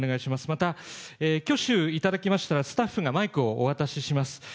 また挙手いただきましたら、スタッフがマイクをお渡しします。